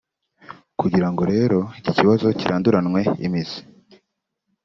Kugira ngo rero iki kibazo kiranduranwe imizi